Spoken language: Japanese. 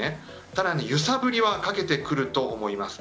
ただ、揺さぶりはかけてくると思います。